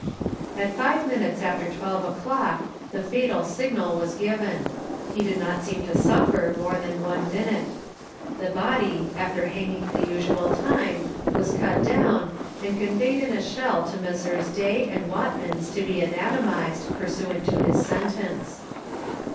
At 5 minutes after 12 o'clock the fatal signal was given. He did not seem to suffer more than one minute. The body, after hanging the usual time, was cut down, and conveyed in a shell to Messrs. Day and Watman's to be anatomized, pursuant to his sentence.